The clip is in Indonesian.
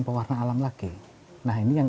pewarna alam lagi nah ini yang